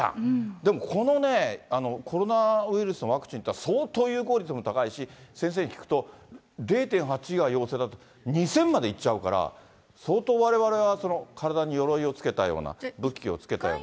でもこのね、コロナウイルスのワクチンというのは相当有効率も高いし、先生に聞くと、０．８が陽性、２０００までいっちゃうから、相当われわれは、体によろいを着けたような、武器をつけたような。